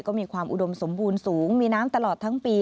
ก็มีความอุดมสมบูรณ์สูงมีน้ำตลอดทั้งปี